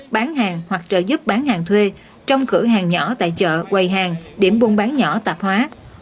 bán hàng hoặc trợ giúp bán hàng thuê trong cửa hàng nhỏ tại chợ quầy hàng điểm buôn bán nhỏ tạp hóa